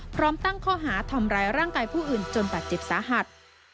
พร้อมตั้งข้อหาทำร้ายร่างกายผู้อื่นจนบาดเจ็บสาหัส